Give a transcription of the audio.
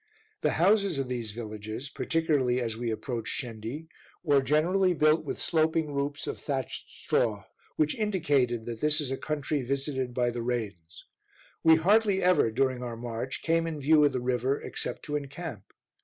The houses of these villages, particularly as we approached Shendi, were generally built with sloping roofs of thatched straw, which indicated that this is a country visited by the rains. We hardly ever, during our march, came in view of the river, except to encamp.